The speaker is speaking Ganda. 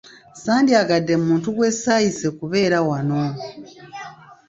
Sandyagadde muntu gwe saayise kubeera wano.